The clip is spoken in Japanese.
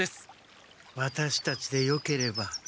ワタシたちでよければ。